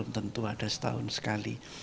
tentu ada setahun sekali